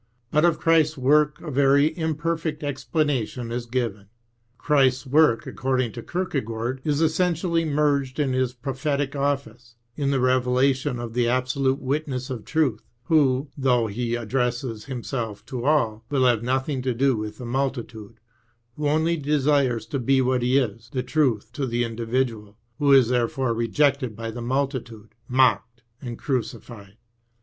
But of Christ's work a very imperfect explanation is given. Christ's work, according to Kierkegaard, is essentially merged in His prophetic office, in the revelation of the absolute witness of truth, who, though He addresses Himself to all, will have nothing to do with the multitude, who only desires to be what He is, the truth to the individual, and who is therefore rejected by the multitude, mocked, and crucified.